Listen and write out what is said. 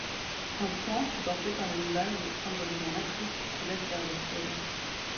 Un poing supporté par une base symbolisant l'Afrique s'élève vers le ciel.